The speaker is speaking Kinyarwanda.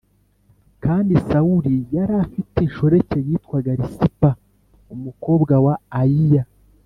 Kandi Sawuli yari afite inshoreke yitwaga Risipa umukobwa wa Ayiya.